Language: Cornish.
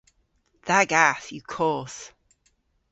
Dha gath yw koth.